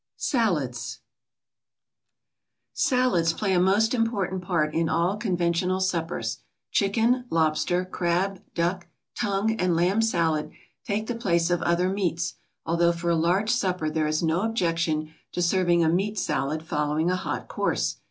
SALADS Salads play a most important part in all conventional suppers. Chicken, lobster, crab, duck, tongue, and lamb salad take the place of other meats, although for a large supper there is no objection to serving a meat salad following a hot course.